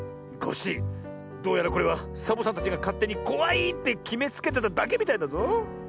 コッシーどうやらこれはサボさんたちがかってにこわいってきめつけてただけみたいだぞ。